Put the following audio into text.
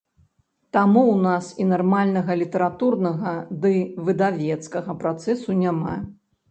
Таму ў нас і нармальнага літаратурнага ды выдавецкага працэсу няма.